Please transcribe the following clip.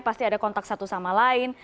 pasti ada kontak satu sama lain